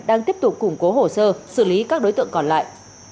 đang tiếp tục củng cố hồ sơ xử lý các đối tượng còn lại